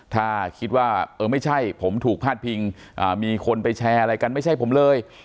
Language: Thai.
ถ้าคิดว่าเออไม่ใช่ผมถูกพาดพิงมีคนไปแชร์อะไรกันไม่ใช่ผมเลย